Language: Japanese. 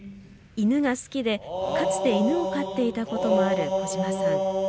犬が好きでかつて犬を飼っていたこともある小島さん。